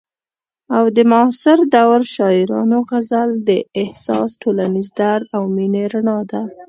او د معاصر دور شاعرانو غزل د احساس، ټولنیز درد او مینې رڼا ده.